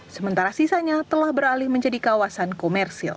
sementara sisanya telah beralih menjadi kawasan komersil